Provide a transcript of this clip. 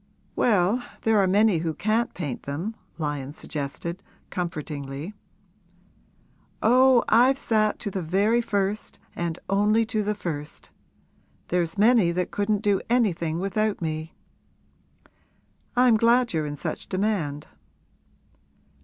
'Well, there are many who can't paint them,' Lyon suggested, comfortingly. 'Oh, I've sat to the very first and only to the first! There's many that couldn't do anything without me.' 'I'm glad you're in such demand.'